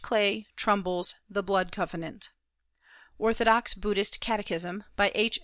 Clay Trumbull's The Blood Covenant; Orthodox Buddhist Catechism, by H.